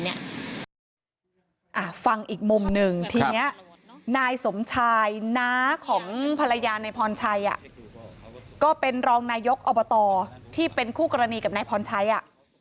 นายสมชายนาของภรรยานายพรชัยอ่ะก็เป็นรองนายกอบตที่เป็นคู่กรณีกับนายพรชัยอ่ะ